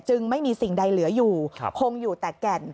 ไม่มีสิ่งใดเหลืออยู่คงอยู่แต่แก่น